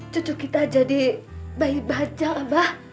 cucu kita jadi bayi baja abah